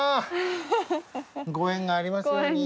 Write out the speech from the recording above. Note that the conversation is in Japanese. ご縁がありますように。